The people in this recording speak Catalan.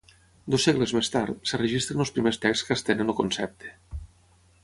Dos segles més tard, es registren els primers texts que estenen el concepte.